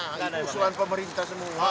gak ada itu usulan pemerintah semua